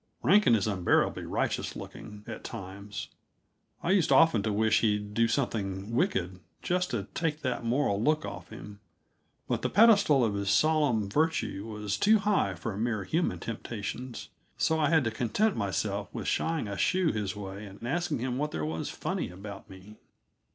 Rankin is unbearably righteous looking, at times. I used often to wish he'd do something wicked, just to take that moral look off him; but the pedestal of his solemn virtue was too high for mere human temptations. So I had to content myself with shying a shoe his way and asking him what there was funny about me.